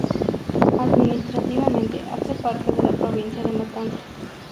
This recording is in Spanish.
Administrativamente hace parte de la Provincia de Matanzas.